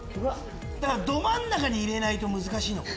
ど真ん中に入れないと難しいのかも。